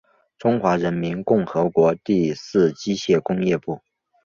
中华人民共和国第四机械工业部。